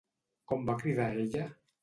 Com va cridar ella?